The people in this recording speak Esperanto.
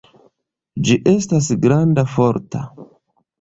Ĝi estas granda, forta.